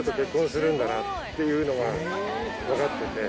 んだなっていうのが分かってて。